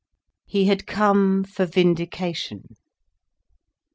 He had come for vindication.